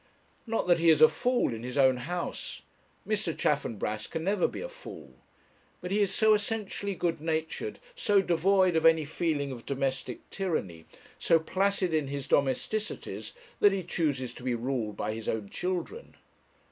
Not that he is a fool in his own house; Mr. Chaffanbrass can never be a fool; but he is so essentially good natured, so devoid of any feeling of domestic tyranny, so placid in his domesticities, that he chooses to be ruled by his own children.